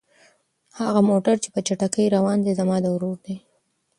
هغه موټر چې په چټکۍ روان دی زما د ورور دی.